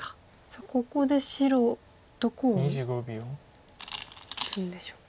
さあここで白どこを打つんでしょうか。